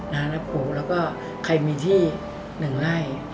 นานับปลูกแล้วก็ใครมีที่หนึ่งไล่